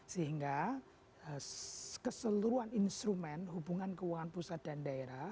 sehingga keseluruhan instrumen hubungan keuangan pusat dan daerah